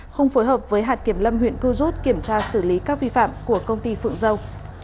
không phối hợp với hạt kiểm lâm huyện cư rút kiểm tra xử lý các vi phạm của công ty phượng dâu